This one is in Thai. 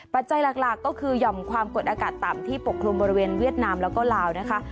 ปัจจัยหลักก็คือหย่อมความกดอากาศต่ำที่ปกคลุมบริเวณเวียดนามแล้วก็ลาวนะคะ